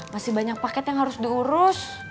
masih banyak paket yang harus diurus